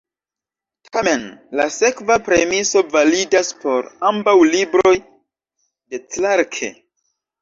Tamen, la sekva premiso validas por ambaŭ libroj de Clarke.